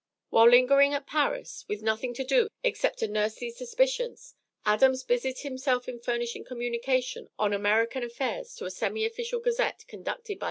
While lingering at Paris, with nothing to do except to nurse these suspicions, Adams busied himself in furnishing communications on American affairs to a semi official gazette conducted by M.